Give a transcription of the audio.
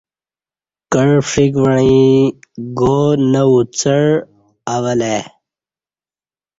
کع پݜیک وعیں گا نہ اُڅع اوہ لہ ای